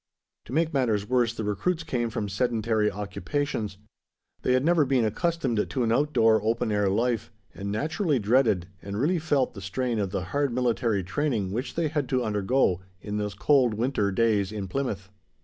To make matters worse, the recruits came from sedentary occupations. They had never been accustomed to an out door, open air life, and naturally dreaded, and really felt, the strain of the hard military training which they had to undergo in those cold winter days in Plymouth.